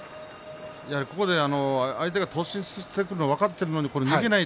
相手が突進してくるのが分かっているのに逃げない